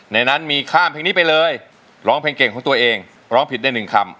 ในนั้นมีข้ามเพลงนี้ไปเลยร้องเพลงเก่งของตัวเองร้องผิดได้หนึ่งคำ